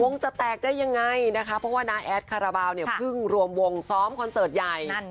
จะแตกได้ยังไงนะคะเพราะว่าน้าแอดคาราบาลเนี่ยเพิ่งรวมวงซ้อมคอนเสิร์ตใหญ่